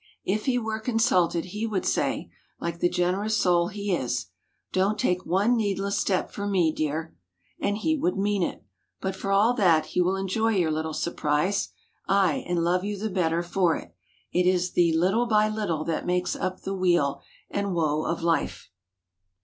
If he were consulted, he would say, like the generous soul he is—"Don't take one needless step for me, dear." And he would mean it. But for all that, he will enjoy your little surprise—ay! and love you the better for it. It is the "little by little" that makes up the weal and woe of life.